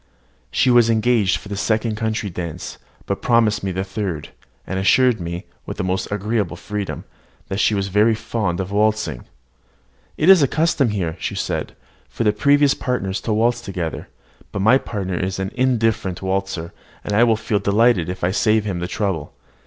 She was engaged for the second country dance, but promised me the third, and assured me, with the most agreeable freedom, that she was very fond of waltzing. "It is the custom here," she said, "for the previous partners to waltz together; but my partner is an indifferent waltzer, and will feel delighted if I save him the trouble.